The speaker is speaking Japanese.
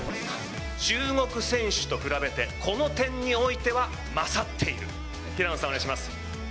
中国選手と比べて、この点においてはまさっている、平野さん、お願いします。